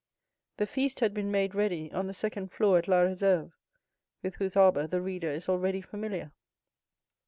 The feast had been made ready on the second floor at La Réserve, with whose arbor the reader is already familiar.